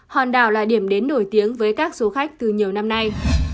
hòn đảo là điểm đến nổi tiếng với các du khách từ nhiều năm nay